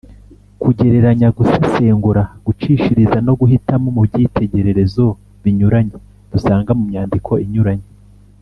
kugereranya, gusesengura, gucishiriza no guhitamo mu byitegererezo binyuranye dusanga mu myandiko inyuranye.